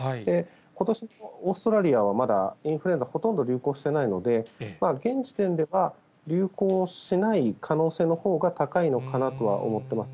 ことしのオーストラリアはまだインフルエンザ、ほとんど流行してないので、現時点では流行しない可能性のほうが高いのかなとは思っています。